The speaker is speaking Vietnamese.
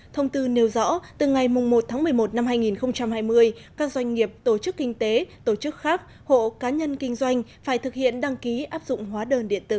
thông tư nêu rõ từ ngày một tháng một mươi một năm hai nghìn hai mươi các doanh nghiệp tổ chức kinh tế tổ chức khác hộ cá nhân kinh doanh phải thực hiện đăng ký áp dụng hóa đơn điện tử